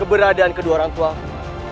keberadaan kedua orangtuaku